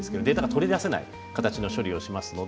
データが取り出せない形の処理をします。